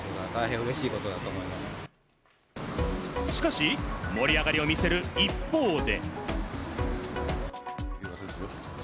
しかし盛り上がりを見せる一方で。